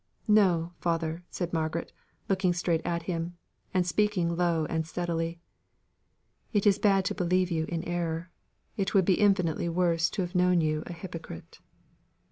"No, father," said Margaret, looking straight at him, and speaking low and steadily. "It is bad to believe you in error. It would be infinitely worse to have known you a hypocrite."